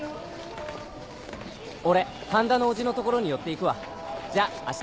俺神田の叔父の所に寄っていくわじゃ明日。